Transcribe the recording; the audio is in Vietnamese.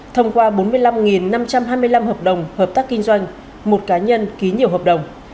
thông qua bốn mươi năm năm trăm hai mươi năm hợp đồng hợp tác kinh doanh một cá nhân ký nhiều hợp đồng